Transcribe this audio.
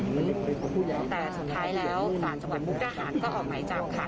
ซึ่งหลักฐานสำคัญก็น่าจะเป็นตามที่มีการระบุไปก่อนหน้านี้นะคะว่า